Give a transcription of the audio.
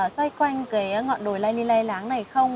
xoay quanh ngọn đồi lai ly lai láng này không